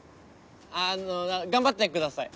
あの頑張ってください。